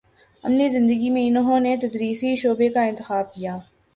عملی زندگی میں انہوں نے تدریسی شعبے کا انتخاب کیا